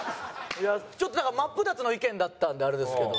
ちょっとなんか真っ二つの意見だったんであれですけど。